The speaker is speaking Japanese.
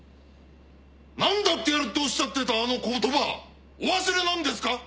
「何だってやる」っておっしゃってたあの言葉はお忘れなんですか？